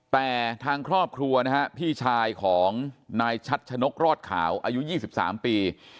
แต่ทางครอบครัวนะฮะพี่ชายของนายชัดชะนกรอดขาวอายุ๒๓ปี